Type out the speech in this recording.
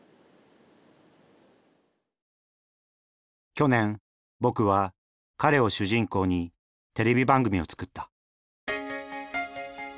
去年僕は彼を主人公にテレビ番組を作った。